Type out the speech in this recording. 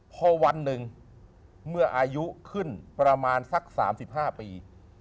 พอวันหนึ่งเมื่ออายุขึ้นประมาณสัก๓๕ปี